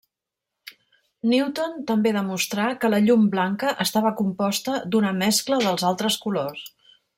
Newton també demostrà que la llum blanca estava composta d'una mescla dels altres colors.